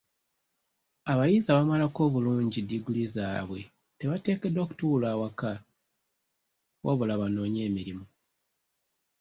Abayizi abamalako obulungi ddiguli zaabwe tebateekeddwa kutuula waka wabula banoonye emirimu.